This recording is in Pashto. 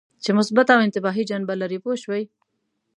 چې مثبته او انتباهي جنبه لري پوه شوې!.